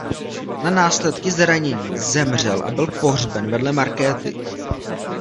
Na následky zranění zemřel a byl pohřben vedle Markéty.